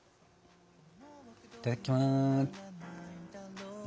いただきます！